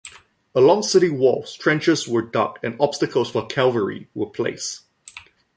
Along city walls, trenches were dug and obstacles for cavalry were placed.